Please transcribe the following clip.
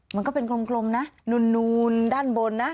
มันก็เป็นกลมนะนูนด้านบนนะ